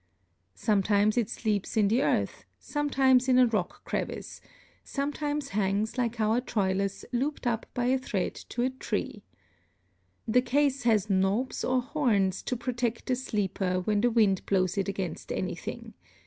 Sometimes it sleeps in the earth, sometimes in a rock crevice, sometimes hangs like our Troilus looped up by a thread to a tree. The case has knobs or horns to protect the sleeper when the wind blows it against anything.